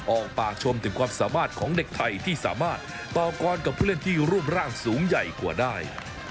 ออกปากชมถึงความสามารถของเด็กไทยที่สามารถต่อกรกับผู้เล่นที่รูปร่างสูงใหญ่กว่าได้